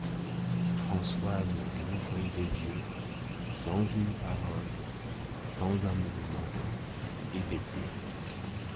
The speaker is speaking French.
Françoise rouvrit les yeux, sans une parole, sans un mouvement, hébétée.